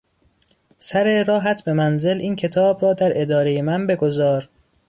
سر راهت به منزل این کتاب را در ادارهی من بگذار.